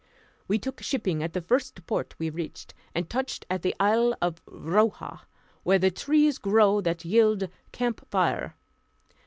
We took shipping at the first port we reached, and touched at the isle of Roha, where the trees grow that yield camphire.